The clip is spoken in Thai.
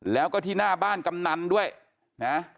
แล้วก็ที่หน้าบ้านกำนันด้วยนะ